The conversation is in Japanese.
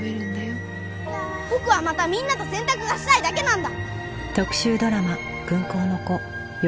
僕はまたみんなと洗濯がしたいだけなんだ！